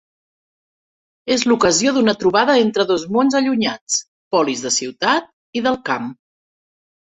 És l'ocasió d'una trobada entre dos mons allunyats: polis de ciutat i del camp.